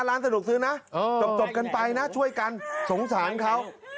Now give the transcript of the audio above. ร้านสะดวกซื้อนะจบกันไปนะช่วยกันสงสารเขา